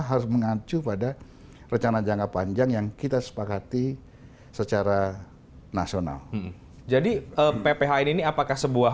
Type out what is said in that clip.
harus mengacu pada rencana jangka panjang yang kita sepakati secara nasional jadi pphn ini apakah sebuah